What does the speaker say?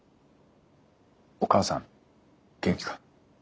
お母さん元気か？